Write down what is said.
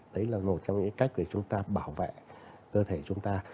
đấy là một trong những cách để chúng ta bảo vệ cơ thể chúng ta